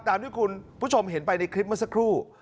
ตามที่คุณผู้ชมเห็นไปในคลิปเมื่อสักครู่